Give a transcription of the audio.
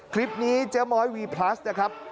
คลิปนี้เจ๊ม้อยวีพลัสนะครับ